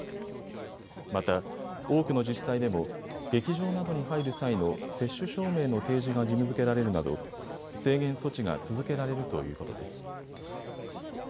また、多くの自治体でも劇場などに入る際の接種証明の提示が義務づけられるなど制限措置が続けられるということです。